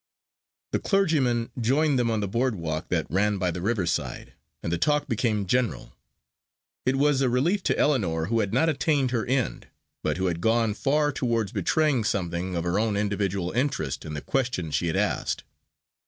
The clergyman joined them on the broad walk that ran by the river side, and the talk became general. It was a relief to Ellinor, who had not attained her end, but who had gone far towards betraying something of her own individual interest in the question she had asked.